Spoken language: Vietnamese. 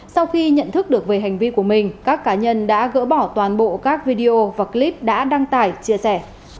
sau khi nhận thức được về hành vi của mình các cá nhân đã gỡ bỏ toàn bộ các video và clip đã đăng tải chia sẻ